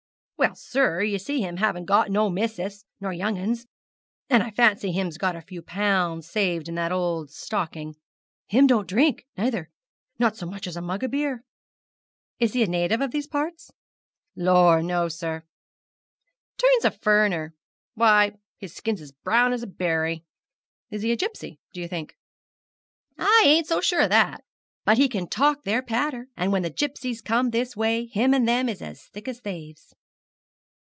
'Well, sir, you see him haven't got no missus nor young 'uns, and I fancy him's got a few pounds saved in a old stocking. Him don't drink, nayther not so much as a mug o' beer.' 'Is he a native of these parts?' 'Lor no, sir, him's a furriner; why, his skin's as brown as a berry!' 'Is he a gipsy, do you think?' 'I ain't sure o' that, but him can talk their patter; and when the gipsies come this way him and them is as thick as thaves.'